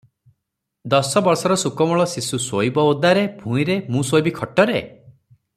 ଦଶ ବର୍ଷର ସୁକୋମଳ ଶିଶୁ ଶୋଇବ ଓଦାରେ, ଭୂଇଁରେ, ମୁଁ ଶୋଇବି ଖଟରେ?